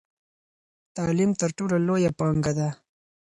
تعلیم تر ټولو لویه پانګه ده.